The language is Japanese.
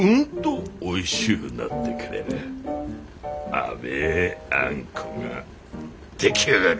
甘えあんこが出来上がる。